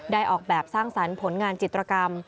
ออกแบบสร้างสรรค์ผลงานจิตรกรรม